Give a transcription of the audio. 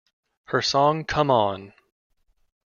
Her song Come On!